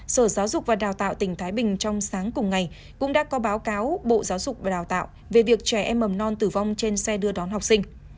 sở giáo dục và đào tạo tỉnh thái bình trong sáng cùng ngày cũng đã có báo cáo bộ giáo dục và đào tạo về việc trẻ em mầm non tử vong trên xe đưa đón học sinh